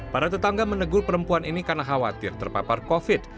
para tetangga menegur perempuan ini karena khawatir terpapar covid